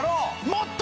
もっと！